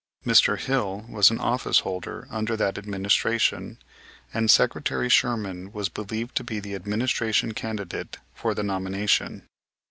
Mr. Hill was an office holder under that administration, and Secretary Sherman was believed to be the administration candidate for the nomination.